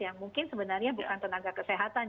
yang mungkin sebenarnya bukan tenaga kesehatan